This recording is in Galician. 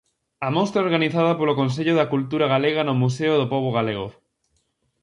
A mostra organizada polo Consello da Cultura Galega no Museo do Pobo galego.